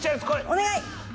お願い！